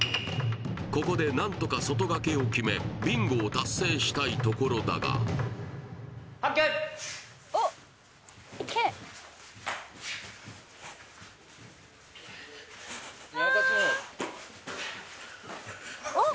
ここで何とか外掛けを決めビンゴを達成したいところだがはっけよい！